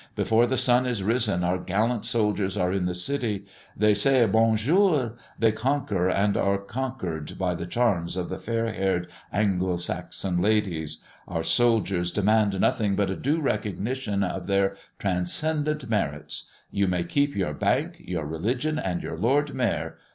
Before the sun is risen our gallant soldiers are in the city; they say, 'Bon jour,' they conquer, and are conquered by the charms of the fair haired Anglo Saxon ladies. Our soldiers demand nothing but a due recognition of their transcendant merits. You may keep your Bank, your religion, and your Lord Mayor.